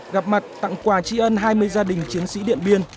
gặp mặt tặng quà trị ơn hai mươi gia đình chiến sĩ điện biên